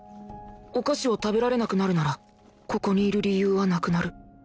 お菓子を食べられなくなるならここにいる理由はなくなる